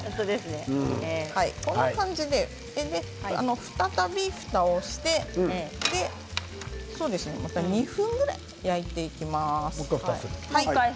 こんな感じで再びふたをしてまた２分ぐらい焼いていきます。